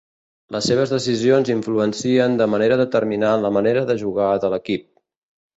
Les seves decisions influencien de manera determinant la manera de jugar de l'equip.